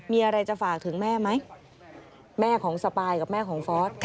มีอะไรจะฝากถึงแม่ไหมแม่ของสปายกับแม่ของฟอส